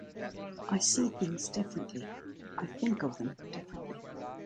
I see things differently, I think of them differently.